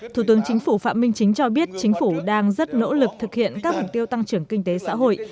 thủ tướng chính phủ phạm minh chính cho biết chính phủ đang rất nỗ lực thực hiện các mục tiêu tăng trưởng kinh tế xã hội